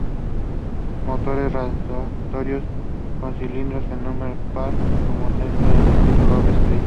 Motores rotatorios con cilindros en número par, son comúnmente del tipo en "doble estrella".